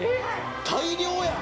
大量やん！